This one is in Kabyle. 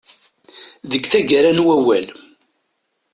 Deg taggara n wawal.